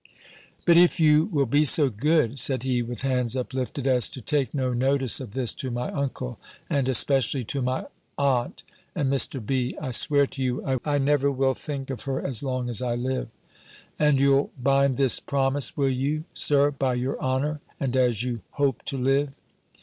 "But if you will be so good," said he, with hands uplifted, "as to take no notice of this to my uncle, and especially to my aunt and Mr. B., I swear to you, I never will think of her as long as I live." "And you'll bind this promise, will you, Sir, by your honour, and as you _hope to live?